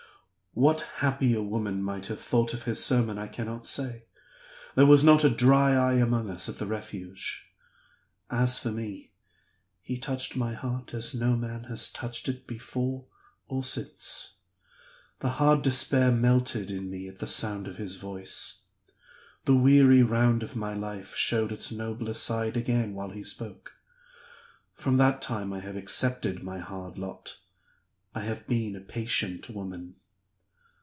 'What happier women might have thought of his sermon I cannot say; there was not a dry eye among us at the Refuge. As for me, he touched my heart as no man has touched it before or since. The hard despair melted in me at the sound of his voice; the weary round of my life showed its nobler side again while he spoke. From that time I have accepted my hard lot, I have been a patient woman.